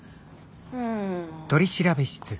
うん。